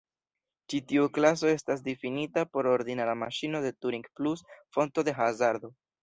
Ĉi tiu klaso estas difinita por ordinara maŝino de Turing plus fonto de hazardo.